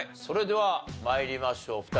それでは参りましょう。